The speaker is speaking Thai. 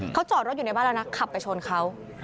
เขาจอดรถอยู่ในบ้านแล้วนะขับไปชนเขา